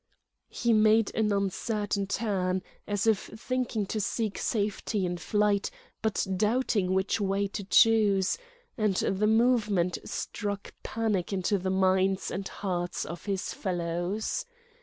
He made an uncertain turn, as if thinking to seek safety in flight but doubting which way to choose; and the movement struck panic into the minds and hearts of his fellows.